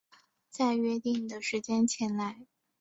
在约定的时间前来